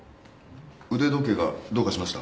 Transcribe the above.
腕時計がどうかしました？